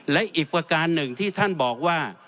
และอีกประการหนึ่งที่ท่านบอกว่า